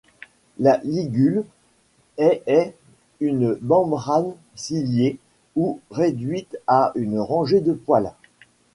La ligule est est une membrane ciliée ou réduite à une rangée de poils.